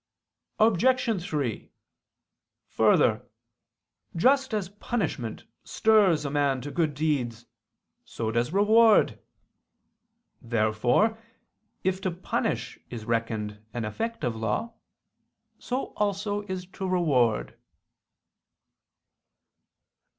Obj. 3: Further, just as punishment stirs a man to good deeds, so does reward. Therefore if to punish is reckoned an effect of law, so also is to reward.